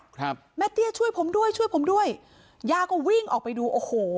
ครับแม่เตี้ยช่วยผมด้วยช่วยผมด้วยย่าก็วิ่งออกไปดูโอ้โห